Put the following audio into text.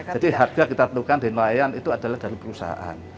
jadi harga kita tentukan dari nelayan itu adalah dari perusahaan